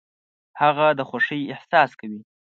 هغه د خوښۍ احساس کوي .